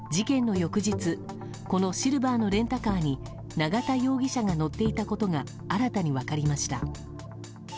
翌日このシルバーのレンタカーに永田容疑者が乗っていたことが新たに分かりました。